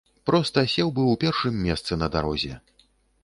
Проста сеў бы ў першым месцы на дарозе.